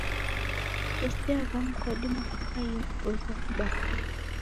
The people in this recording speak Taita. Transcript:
Kutesia w'amu kwadima kukaie kuboilwa kubaa.